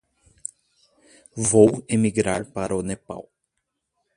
Vou emigrar para o Nepal.